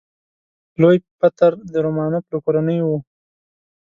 لوی پطر د رومانوف له کورنۍ و.